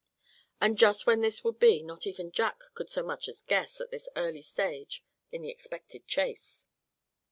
And just when this would be, not even Jack could so much as guess at this early stage in the expected chase.